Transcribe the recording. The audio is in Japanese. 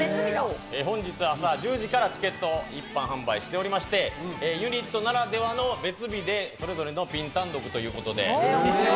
本日朝１０時からチケット、一般販売しておりまして、ユニットならではの別日で、それぞれのピン単独ということで。